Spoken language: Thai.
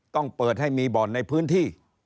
ต้องเปิดให้มีบ่อนในพื้นที่